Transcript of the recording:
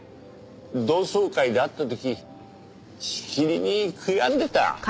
同窓会で会った時しきりに悔やんでた。